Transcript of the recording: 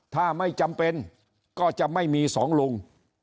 ถ้าไม่จำเป็นก็จะไม่มีสองลุง